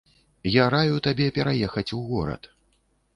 Я раю табе пераехаць у горад.